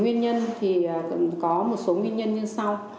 nguyên nhân thì có một số nguyên nhân như sau